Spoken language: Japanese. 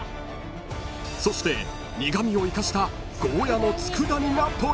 ［そして苦味を生かしたゴーヤの佃煮がポイント］